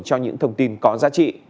cho những thông tin có giá trị